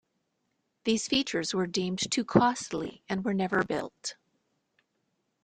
These features were deemed too costly and were never built.